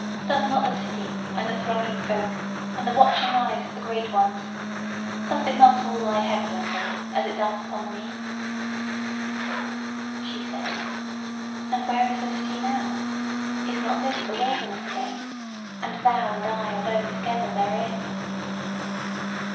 Doth not the city, and the thronging folk, and the watching eyes of the great ones ... doth it not all lie heavy on thee, as it doth upon me?" She said: "And where is the city now? is not this the wilderness again, and thou and I alone together therein?"